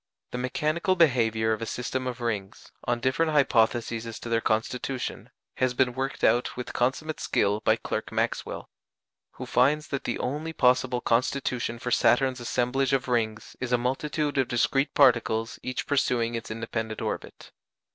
The mechanical behaviour of a system of rings, on different hypotheses as to their constitution, has been worked out with consummate skill by Clerk Maxwell; who finds that the only possible constitution for Saturn's assemblage of rings is a multitude of discrete particles each pursuing its independent orbit.